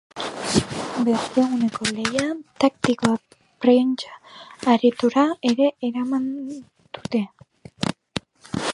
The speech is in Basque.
Berdeguneko lehia taktikoa prentsa-aretora ere eraman dute.